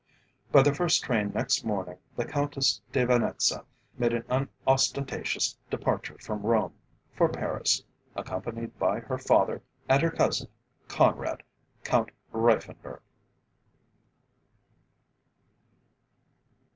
By the first train next morning the Countess de Venetza made an unostentatious departure from Rome, for Paris, accompanied by her father and her cousin, Conrad, Count Reiffenburg.